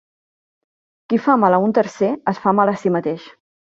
Qui fa mal a un tercer, es fa mal a si mateix.